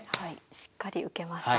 しっかり受けました。